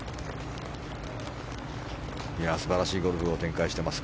素晴らしいゴルフを展開しています。